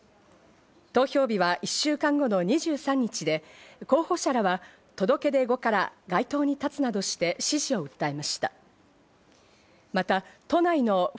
投票日は１週間後の２３日に候補者らは届け出後から街頭に立つなどして支持を訴えました。